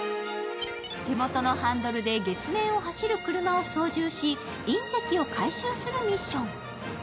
手元のハンドルで月面を走る車を操縦し、隕石を回収するミッション。